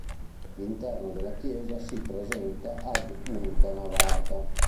L'interno della chiesa si presenta ad unica navata.